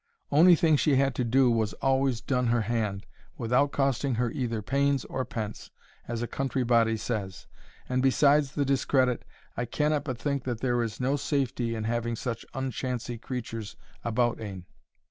Ony thing she had to do was always done to her hand, without costing her either pains or pence, as a country body says; and besides the discredit, I cannot but think that there is no safety in having such unchancy creatures about ane.